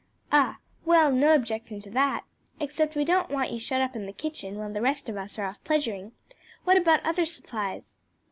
"Ah! Well, no objection to that except that we don't want you shut up in the kitchen when the rest of us are off pleasuring. What about other supplies?"